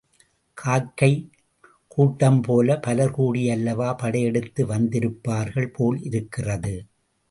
காக்கைக் கூட்டம்போலப் பலர்கூடி அல்லவா படையெடுத்து வந்திருப்பார்கள் போலிருக்கிறது!